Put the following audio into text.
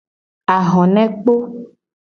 Ahonekpo.